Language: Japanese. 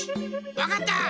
わかった！